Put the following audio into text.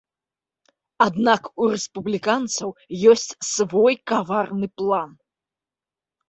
Аднак у рэспубліканцаў ёсць свой каварны план.